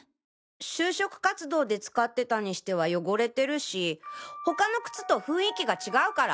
就職活動で使ってたにしては汚れてるし他の靴と雰囲気が違うから。